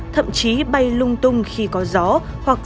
thậm chí bay lung tung khi có gió hoặc